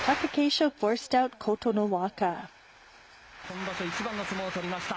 今場所一番の相撲を取りました。